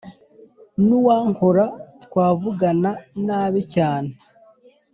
N’ uwankora twavugana nabi cyane